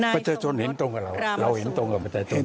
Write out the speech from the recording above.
ประชาชนเห็นตรงกับเราเราเห็นตรงกับประชาชน